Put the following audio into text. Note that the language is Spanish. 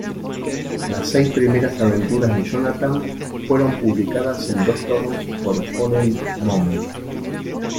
Las seis primeras aventuras de "Jonathan" fueron publicadas en dos tomos por Ponent Mon.